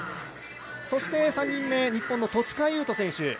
そして、３人目日本の戸塚優斗選手。